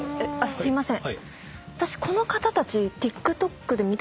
すいません。